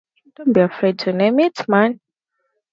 Don’t be afraid to name it, man.